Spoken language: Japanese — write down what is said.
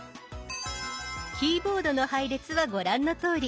キーボードの配列はご覧のとおり。